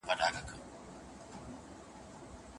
د خان کشري لور ژړل ویل یې پلاره